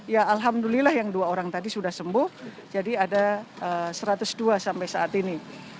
ya alhamdulillah yang dua orang tadi sudah sembuh jadi ada satu ratus dua sampai saat ini